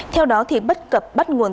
theo đó thì bất cập bắt nguồn